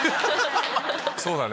そうだね。